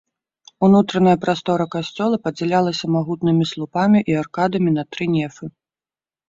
Унутраная прастора касцёла падзялялася магутнымі слупамі і аркадамі на тры нефы.